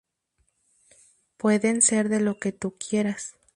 Pueden ser de lo que tú quieras.